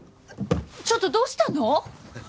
ちょっとどうしたの？